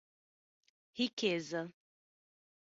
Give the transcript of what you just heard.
Riqueza